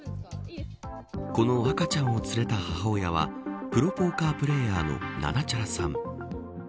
この赤ちゃんを連れた母親はプロポーカープレイヤーのななちゃらさん。